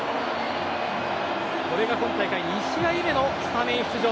これが今大会２試合目のスタメン出場。